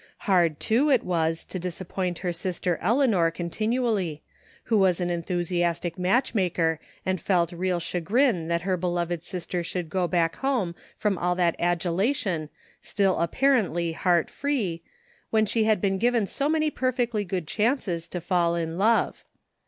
Hard, too, it was, to disappoint her sister Eleanor continually, who was an enthusiastic match maker and felt real chagrin that her beloved sister should go back home from all that adulation still apparently heart free, when she had been given so many perfectly good chances to fall in love.